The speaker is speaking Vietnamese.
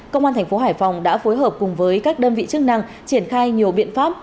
công an thành phố hải phòng đã phối hợp cùng với các đơn vị chức năng triển khai nhiều biện pháp